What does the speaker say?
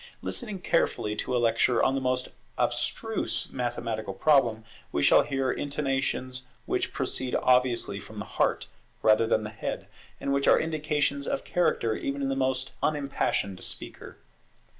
Listening carefully to a lecture on the most abstruse mathematical problem, we shall hear intonations which proceed obviously from the heart rather than the head, and which are indications of character even in the most unimpassioned speaker.